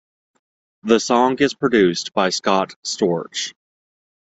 The song is produced by Scott Storch.